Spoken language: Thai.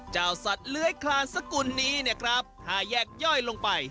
เจ้าสัตว์เลื้อยคลานสกุลนี้ถ้าแยกย่อยลงไป